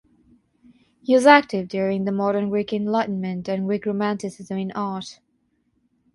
He was active during the Modern Greek Enlightenment and Greek romanticism in art.